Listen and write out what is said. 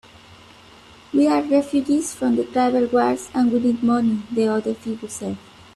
"We're refugees from the tribal wars, and we need money," the other figure said.